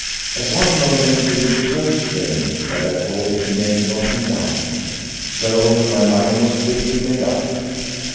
At one moment he looked so strange that I thought he meant to knock me down. So my mind was quickly made up.